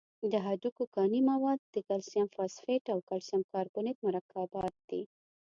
د هډوکو کاني مواد د کلسیم فاسفیټ او کلسیم کاربونیت مرکبات دي.